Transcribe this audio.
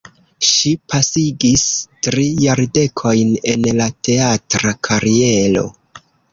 Ŝi pasigis tri jardekojn en la teatra kariero.